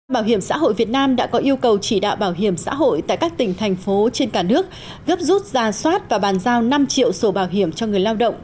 bảo hiểm xã hội việt nam đã có yêu cầu chỉ đạo bảo hiểm xã hội tại các tỉnh thành phố trên cả nước gấp rút ra soát và bàn giao năm triệu sổ bảo hiểm cho người lao động